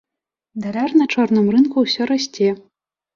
Даляр на чорным рынку ўсё расце.